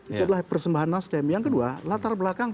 itu adalah persembahan nasdem yang kedua latar belakang